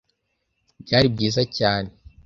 byari byiza cyane.